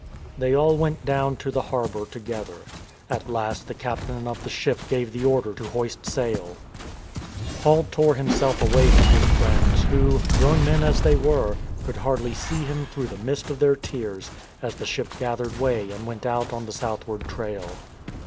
They all went down to the harbour together. At last the captain of the ship gave the order to hoist sail. Paul tore himself away from his friends who, grown men as they were, could hardly see him through the mist of their tears as the ship gathered way and went out on the southward trail.